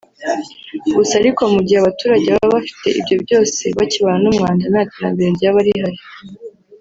Gusa ariko mu gihe abaturage baba bafite ibyo byose bakibana n’umwanda nta terambere ryaba rihari